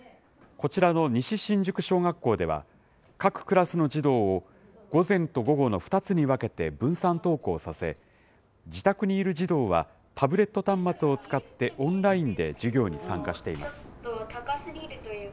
こちらの西新宿小学校では、各クラスの児童を午前と午後の２つに分けて分散登校させ、自宅にいる児童はタブレット端末を使って、オンラインで授業に参加しています。